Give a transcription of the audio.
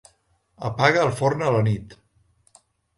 Apaga el forn a la nit.